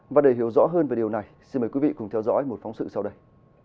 và để hiểu rõ hơn về điều này xin mời quý vị cùng theo dõi một phóng sự sau đây